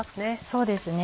そうですね。